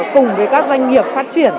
cùng với các doanh nghiệp phát triển